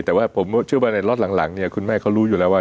แต่ว่าผมเชื่อว่าในล็อตหลังเนี่ยคุณแม่เขารู้อยู่แล้วว่า